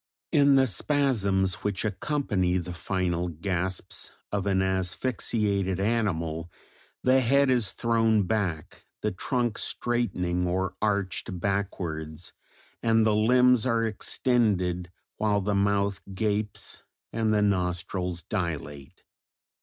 ... In the spasms which accompany the final gasps of an asphyxiated animal the head is thrown back, the trunk straightening or arched backwards, and the limbs are extended while the mouth gapes and the nostrils dilate.